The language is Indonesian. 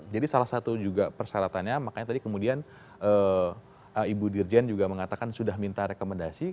jadi salah satu juga persyaratannya makanya tadi kemudian ibu dirjen juga mengatakan sudah minta rekomendasi